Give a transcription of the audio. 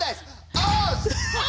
押忍！